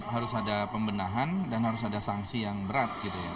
harus ada pembenahan dan harus ada sanksi yang berat